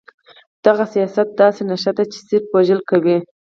دغه سياست داسې نيشه ده چې صرف وژل کوي.